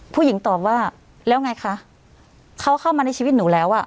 ผู้หญิงตอบว่าแล้วไงคะเขาเข้ามาในชีวิตหนูแล้วอ่ะ